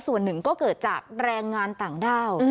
ส่วนหนึ่งก็เกิดจากแรงงานต่างด้าว